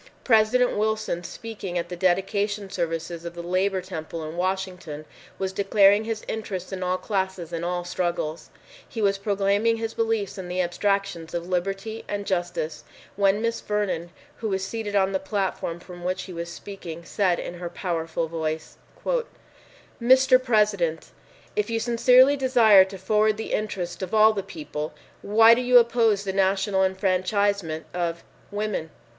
President Wilson, speaking at the dedication services of the Labor Temple in Washington, was declaring his interest in all classes and all struggles. He was proclaiming his beliefs in the abstractions of liberty and justice, when Miss Vernon, who was seated on the platform from which he was speaking, said in her powerful voice, "Mr. President, if you sincerely desire to forward the interests of all the people, why do you oppose the national enfranchisement of, women?"